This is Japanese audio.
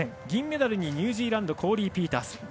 銀メダルにニュージーランドのコーリー・ピータース。